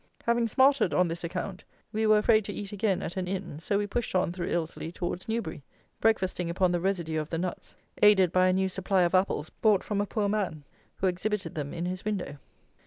Having smarted on this account, we were afraid to eat again at an Inn; so we pushed on through Ilsley towards Newbury, breakfasting upon the residue of the nuts, aided by a new supply of apples bought from a poor man, who exhibited them in his window.